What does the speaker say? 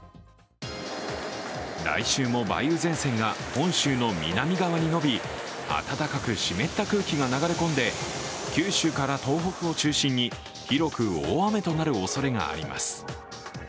来週も梅雨前線が本州の南側に延び暖かく湿った空気が流れ込んで、九州から東北を中心に広く大雨となるおそれがあります。